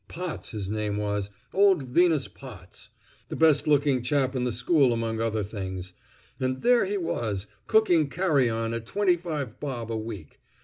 Potts his name was, old Venus Potts, the best looking chap in the school among other things; and there he was, cooking carrion at twenty five bob a week!